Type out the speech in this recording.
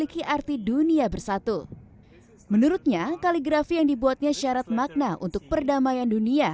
kali grafi yang dibuatnya syarat makna untuk perdamaian dunia